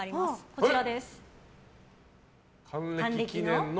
こちらです。